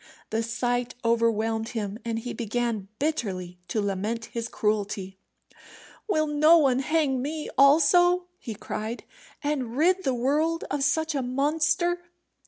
The sight overwhelmed him, and he began bitterly to lament his cruelty. "Will no one hang me also," he cried, "and rid the world of such a monster?"